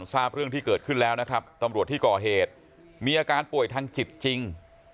ทราบเรื่องที่เกิดขึ้นแล้วนะครับตำรวจที่ก่อเหตุมีอาการป่วยทางจิตจริง